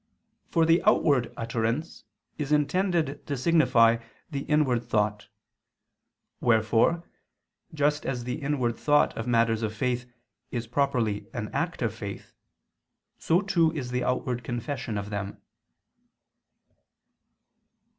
For the outward utterance is intended to signify the inward thought. Wherefore, just as the inward thought of matters of faith is properly an act of faith, so too is the outward confession of them.